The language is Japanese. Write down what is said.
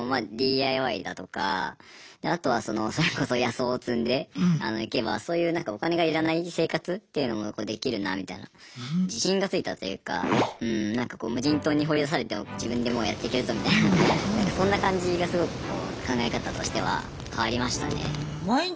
ＤＩＹだとかあとはそれこそ野草を摘んでいけばそういうお金が要らない生活っていうのもできるなみたいな自信がついたというか無人島に放り出されても自分でもうやっていけるぞみたいなそんな感じがすごくこう考え方としては変わりましたね。